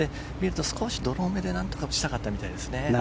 少しドローめでなんとか打ちたかったみたいですね。